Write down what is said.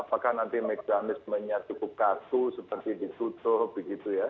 apakah nanti mekanismenya cukup kaku seperti ditutup begitu ya